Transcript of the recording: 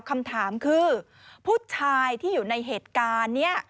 คำถามคือผู้ชายที่อยู่ในเหตุการณ์นี้